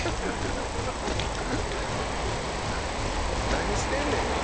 何してんねんな？